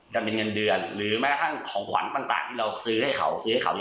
จะเป็นเงินเดือนหรือแม้ทั้งของขวัญต่างที่เราซื้อให้เขาซื้อให้เขา